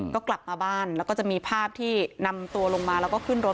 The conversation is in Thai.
ก็กลับมาบ้านแล้วก็จะมีภาพที่นำตัวลงมาแล้วก็ขึ้นรถ